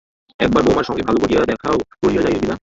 একবার বউমার সঙ্গে ভালো করিয়া দেখাও করিয়া যাবি না?